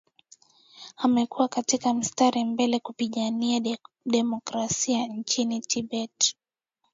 amekuwa katika mstari mbele kupigania demokrasia nchini tibet